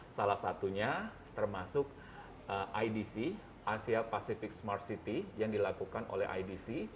salah satunya termasuk idc asia pacific smart city yang dilakukan oleh idc